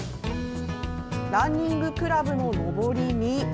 ランニングクラブののぼりに。